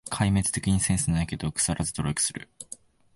壊滅的にセンスないけど、くさらず努力する